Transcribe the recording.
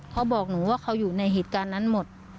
เขาบอกหนูว่าเขาอยู่ในเหตุการณ์นั้นหมด